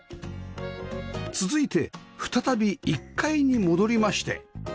続いて再び１階に戻りまして